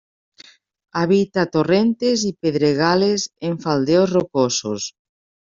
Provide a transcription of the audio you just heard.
Habita torrentes y pedregales en faldeos rocosos.